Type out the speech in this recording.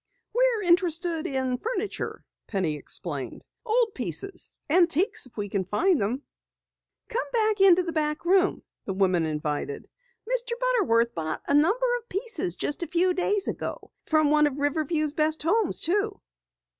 "We're interested in furniture," Penny explained. "Old pieces antiques if we can find them." "Come into the back room," the woman invited. "Mr. Butterworth bought a number of pieces just a few days ago. From one of Riverview's best homes too."